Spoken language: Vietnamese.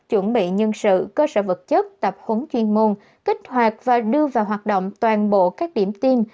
chuẩn bị nhân sự cơ sở vật chất tập huấn chuyên môn kích hoạt và đưa vào hoạt động toàn bộ các điểm tin